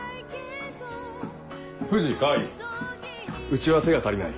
藤川合うちは手が足りない。